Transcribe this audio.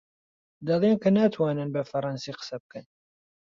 دەڵێن کە ناتوانن بە فەڕەنسی قسە بکەن.